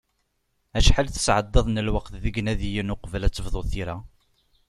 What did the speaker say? Acḥal tesεeddaḍ n lweqt deg inadiyen uqbel ad tebduḍ tira?